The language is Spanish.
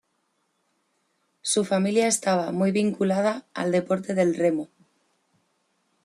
Su familia estaba muy vinculada al deporte del remo.